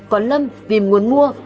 còn lâm tìm nguồn mua